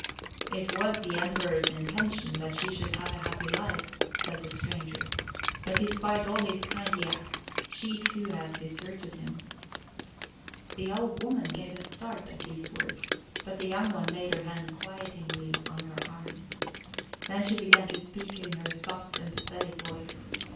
"It was the Emperor's intention that she should have a happy life," said the stranger. "But, despite all his kindly acts, she too has deserted him." The old woman gave a start at these words, but the young one laid her hand quietingly on her arm. Then she began to speak in her soft, sympathetic voice.